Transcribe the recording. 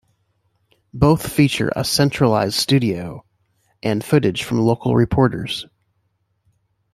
Both feature a centralized studio and footage from local reporters.